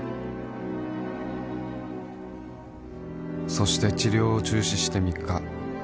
そして治療を中止して３日